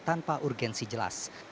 tanpa urgensi jelas